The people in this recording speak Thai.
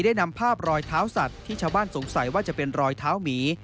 ได้นำภาพรอยเท้าสัตว์ที่ชาวบ้านสงสัยว่าจะเป็นรอยเท้าหมี